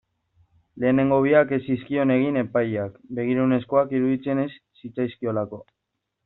Lehenengo biak ez zizkion egin epaileak, begirunezkoak iruditzen ez zitzaizkiolako.